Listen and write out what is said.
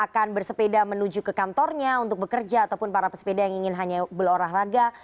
akan bersepeda menuju ke kantornya untuk bekerja ataupun para pesepeda yang ingin hanya berolahraga